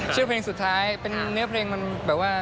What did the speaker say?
ชื่อเพลงสุดท้ายเป็นเนื้อเพลงมันแบบว่า